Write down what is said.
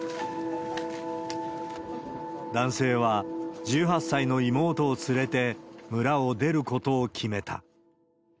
男性は、１８歳の妹を連れて村を出ることを決めた。